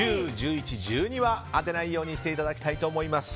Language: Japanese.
１０、１１、１２は当てないようにしていただきたいと思います。